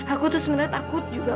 aku tuh sebenarnya takut juga